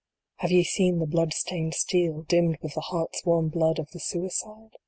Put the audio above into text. Have ye seen the blood stained steel, dimmed with the heart s warm blood of the suicide